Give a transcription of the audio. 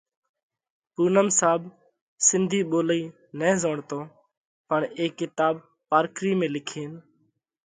پُونم صاحب سنڌِي ٻولئِي نہ زوڻتون پڻ اي ڪِتاٻ پارڪرِي ۾ لکينَ